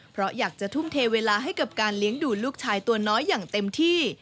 เพราะอยากจะทุ่มเทเวลาให้กับการเลี้ยงดูลูกชายตัวน้อยอย่างเต็มที่